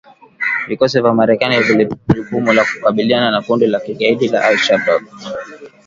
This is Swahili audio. Vikosi vya Marekani vilivyopewa jukumu la kukabiliana na kundi la kigaidi la al-Shabab.